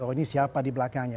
oh ini siapa di belakangnya